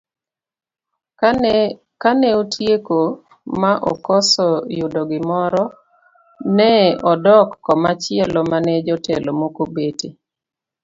Kane otieko ma okoso yudo gimoro, ne odok komachielo mane jotelo moko obete